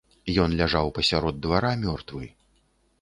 Ён ляжаў пасярод двара мёртвы.